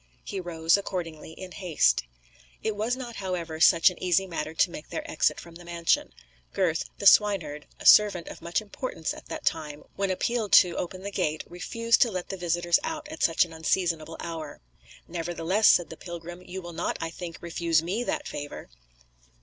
He rose, accordingly, in haste. It was not, however, such an easy matter to make their exit from the mansion. Gurth, the swineherd, a servant of much importance at that time, when appealed to open the gate, refused to let the visitors out at such an unseasonable hour. "Nevertheless," said the pilgrim, "you will not, I think, refuse me that favour."